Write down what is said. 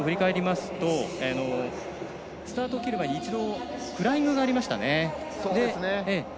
佐藤の予選のレースを振り返りますとスタート切る前に一度、フライングがありました。